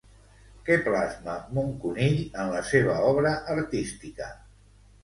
Què plasma Moncunill en la seva obra artística?